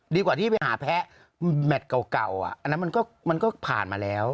ดีกว่าที่ไปหาแพ้แมทเก่าอันนั้นมันก็ผ่านมาแล้ว